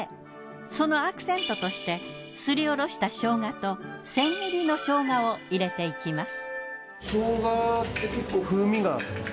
そのアクセントとしてすりおろした生姜と千切りの生姜を入れていきます。